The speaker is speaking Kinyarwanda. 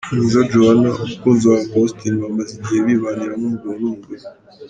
Mwiza Joannah; umukunzi wa Uncle Austin banamaze igihe bibanira nk'umugabo n'umugore.